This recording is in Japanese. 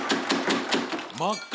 真っ赤！